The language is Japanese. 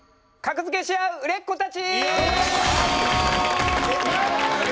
格付けしあう売れっ子たち！